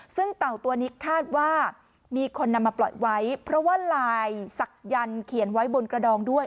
ซึ่งเต่าตัวนี้คาดว่ามีคนนำมาปล่อยไว้เพราะว่าลายศักยันต์เขียนไว้บนกระดองด้วย